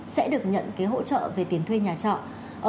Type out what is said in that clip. sẽ được nhận cái hỗ trợ về tiền thuê nhà trọ